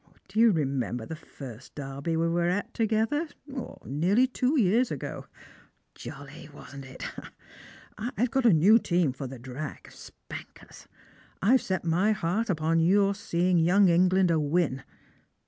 Do you remember the first Derby we were at together, nearly two years ago ? Jolly, wasn't it ? I've got a new team for the drag, spankers. I've set my heart upon your seeing Young Englander win.